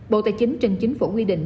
bộ tài chính trên chính phủ quy định